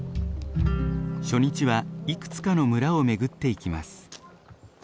初日はいくつかの村を巡っていきます。